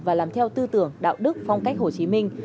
và làm theo tư tưởng đạo đức phong cách hồ chí minh